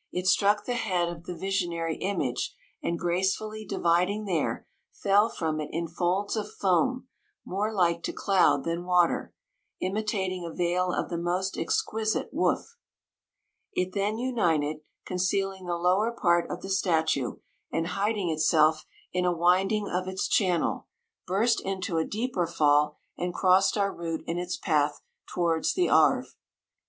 * It struck the head of the visionary image, and gracefully divid ing there, fell from it in folds of foam more like to cloud than water, imitat ing a veil of the most exquisite woof. It then united, concealing the lower part of the statue, and hiding itself in 146 a winding of its channel, burst into a deeper fall, and crossed our route in its path towards the Arve.